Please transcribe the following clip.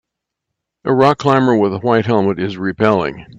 A rock climber with a white helmet is repelling.